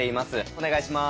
お願いします。